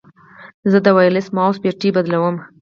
زه د وایرلیس ماؤس بیټرۍ بدلوم.